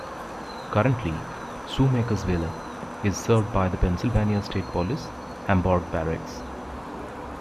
Currently, Shoemakersville is served by the Pennsylvania State Police - Hamburg Barracks.